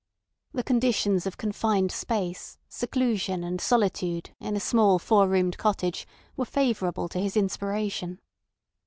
The conditions of confined space, seclusion, and solitude in a small four roomed cottage were favourable to his inspiration.